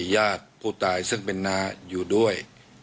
ญาติผู้ตายซึ่งเป็นน้าอยู่ด้วย